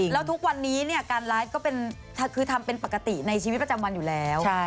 แล้วทุกวันนี้การไลฟ์ก็คือทำเป็นปกติในชีวิตประจำวันอยู่แล้ว